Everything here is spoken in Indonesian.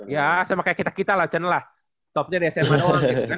ya sama kayak kita kita laken lah stopnya di sma doang gitu kan